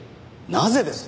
なぜです？